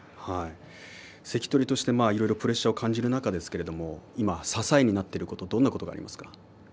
関取として、いろいろプレッシャーを感じる中で今、支えになっているのはどんなことですか？